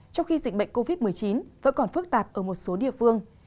trong khi dịch bệnh covid một mươi chín vẫn còn phức tạp ở một số địa phương